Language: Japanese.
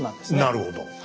なるほど。